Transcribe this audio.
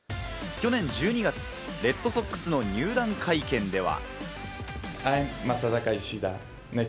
去年１２月、レッドソックスの入団会見では。